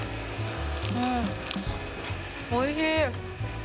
おいしい。